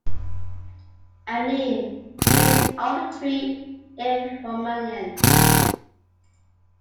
"Anin" means "alder tree" in Romanian.